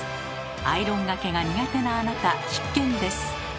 アイロンがけが苦手なあなた必見です。